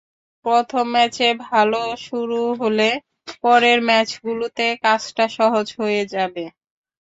প্রথম ম্যাচে ভালো শুরু হলে পরের ম্যাচগুলোতে কাজটা সহজ হয়ে যাবে।